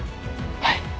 はい。